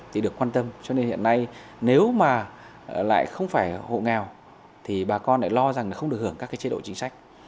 thì được quan tâm cho nên hiện nay nếu mà lại không phải hộ nghèo thì bà con lại lo rằng là không được hưởng các cái chế độ chính sách